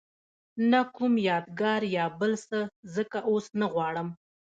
نه کوم یادګار یا بل څه ځکه اوس نه غواړم.